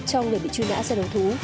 cho người bị truy nã ra đấu thú